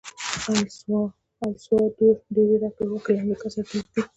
السلوادور ډېرې راکړې ورکړې له امریکا سره درلودې.